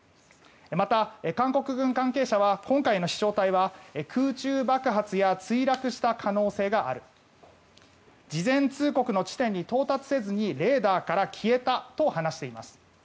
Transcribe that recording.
また、韓国軍関係者は今回の飛翔体は空中爆発や墜落した可能性がある事前通告の地点に到達せずにレーダーから消えたと話しています。